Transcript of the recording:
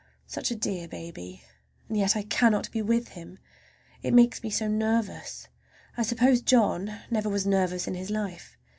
Such a dear baby! And yet I cannot be with him, it makes me so nervous. I suppose John never was nervous in his life.